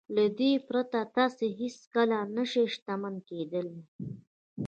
له دې پرته تاسې هېڅکله نه شئ شتمن کېدلای.